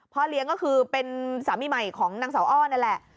เลี้ยงก็คือเป็นสามีใหม่ของนางสาวอ้อนั่นแหละ